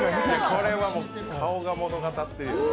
これは顔が物語ってる。